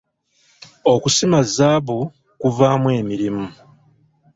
Okusima zzaabu kuvaamu emirimu.